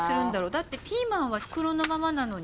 だってピーマンは袋のままなのに。